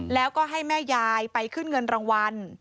แล้วก็ให้แม่ยายไปขึ้นเงินรางวัล